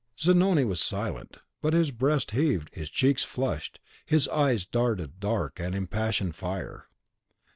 Zanoni was silent; but his breast heaved, his cheeks flushed, his eyes darted dark and impassioned fire.